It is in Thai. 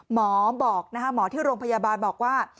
หมอที่โรงพยาบาลบอกว่า